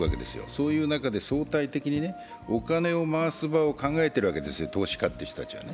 そういう中で相対的にお金を回す場を考えているんです、投資家という人たちは。